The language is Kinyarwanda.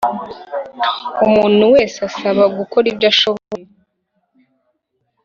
Umuntu wese asaba gukora ibyo ashoboye